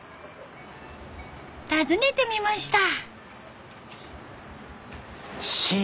訪ねてみました。